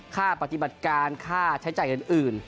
ค่าปฏิบัติการค่าใช้จ่ายอื่น